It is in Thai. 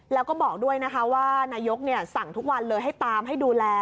แล้วก็บอกด้วยนะคะว่านายกสั่งทุกวันเลยให้ตามให้ดูแล